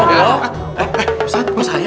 eh ustadz masalahnya